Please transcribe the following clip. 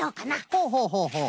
ほうほうほうほう。